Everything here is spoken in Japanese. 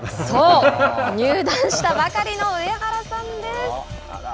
そう、入団したばかりの上原さんです！